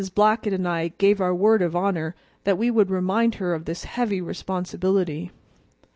Blackett and I gave our word of honor that we would remind her of this heavy responsibility.